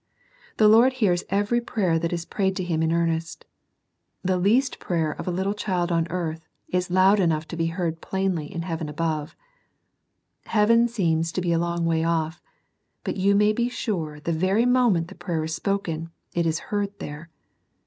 The Lord Jesus hears every prayer that is prayed to Him in earnest. The least prayer of a little child on earth is loud enough to be heard plainly in heaven above. Heaven seems to be a long way off, but you may be sure the very moment the prayer is spoken it is heard there.